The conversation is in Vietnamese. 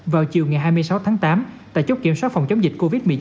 vào chiều ngày hai mươi sáu tháng tám tại chốt kiểm soát phòng chống dịch covid một mươi chín